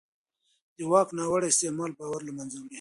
د واک ناوړه استعمال باور له منځه وړي